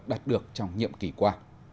đạt được trong nhiệm kỳ qua